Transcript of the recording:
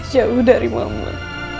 jauh dari mama